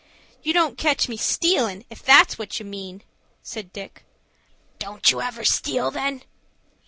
"You don't catch me stealin', if that's what you mean," said Dick. "Don't you ever steal, then?"